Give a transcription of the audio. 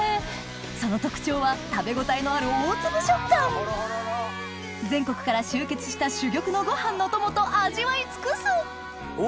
その特徴は食べ応えのある大粒食感全国から集結した珠玉のご飯の友と味わい尽くすお！